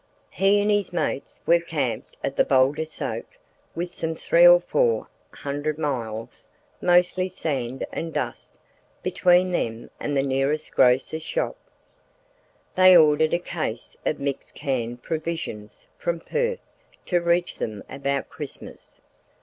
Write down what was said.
He and his mates were camped at the Boulder Soak with some three or four hundred miles—mostly sand and dust—between them and the nearest grocer's shop. They ordered a case of mixed canned provisions from Perth to reach them about Christmas.